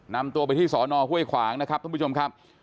นำตัวไปที่สอนอห้วยขวางนะครับท่านผู้ชมครับ